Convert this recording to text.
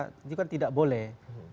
itu kan tidak boleh